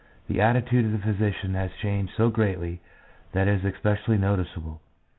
The attitude of the physician has changed so greatly that it is especially noticeable.